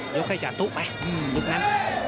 ลุกให้จากตู้ไปลุกนั้น